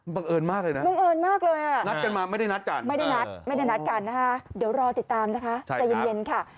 มันบังเอิญมากเลยนะนัดกันมาไม่ได้นัดกันไม่ได้นัดกันนะคะเดี๋ยวรอติดตามนะคะใจเย็นค่ะ